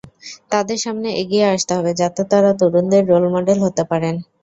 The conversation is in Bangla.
তাঁদের সামনে এগিয়ে আসতে হবে, যাতে তাঁরা তরুণদের রোল মডেল হতে পারেন।